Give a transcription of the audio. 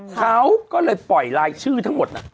เขาก็เลยปล่อยรายชื่อทั้งหมด